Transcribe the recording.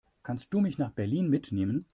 Kannst du mich nach Berlin mitnehmen?